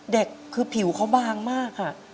เด็กคือผิวเขาบางมาก